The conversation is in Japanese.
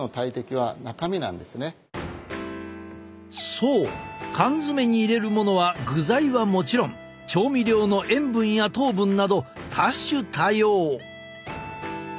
そう缶詰に入れるものは具材はもちろん調味料の塩分や糖分など多種多様！